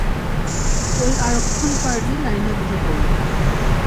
ওই আরক্ষণ পার্টি লাইনে বসে পরলো।